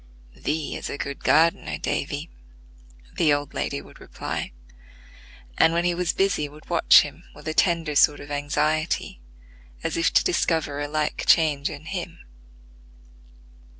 "Thee is a good gardener, Davy," the old lady would reply, and when he was busy would watch him with a tender sort of anxiety, as if to discover a like change in him.